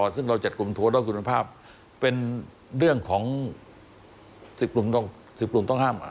ซึ่งเราจัดกลุ่มทั่วด้วยคุณภาพเป็นเรื่องของ๑๐กลุ่มต้องห้าม